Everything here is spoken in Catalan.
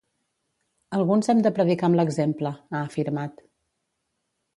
Alguns hem de predicar amb l’exemple, ha afirmat.